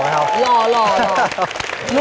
อ๋อหล่อครับ